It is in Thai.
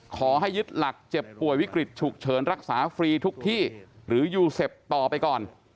ขอให้ยึดหลักเจ็บป่วยวิกฤตฉุกเฉินรักษาฟรีทุกที่หรือยูเซฟต่อไปก่อน